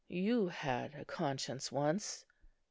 You had a conscience once."